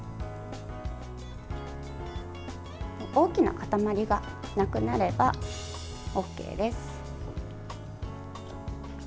大きな塊がなくなればＯＫです。